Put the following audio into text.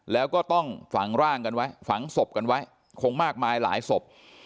แล้วก็ต้องฝังร่างกันไว้ฝังศพกันไว้คงมากมายหลายศพ